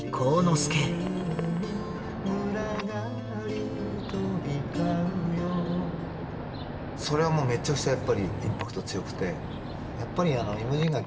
それはもうめちゃくちゃやっぱりインパクト強くて。